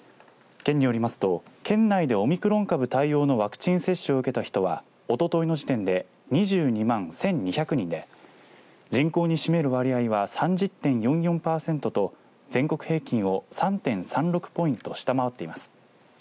県によりますと県内でオミクロン株対応のワクチン接種を受けた人はおとといの時点で２２万１２００人で人口に占める割合は３０．４４パーセントと全国平均を３．３６ポイント下回っています。